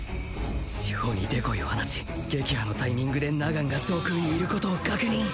四方にデコイを放ち撃破のタイミングでナガンが上空にいることを確認！